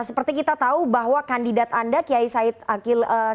seperti kita tahu bahwa kandidat anda kiai said akil